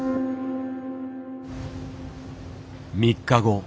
３日後。